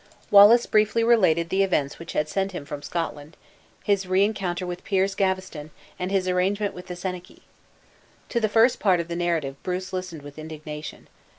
Wallace briefly related the events which had sent him from Scotland, his reencounter with Piers Gaveston, and his arrangement with the senachie. To the first part of the narrative, Bruce listened with indignation.